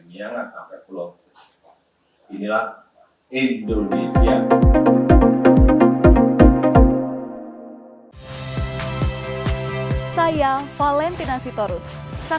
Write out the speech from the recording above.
itu diumumkan kita dua ratus juta